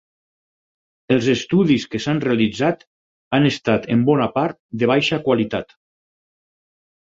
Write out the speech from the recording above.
Els estudis que s'han realitzat han estat, en bona part, de baixa qualitat.